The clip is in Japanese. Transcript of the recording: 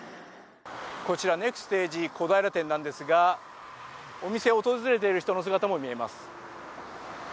こちら、ネクステージ小平店なんですが、お店を訪れている人の姿も見えます。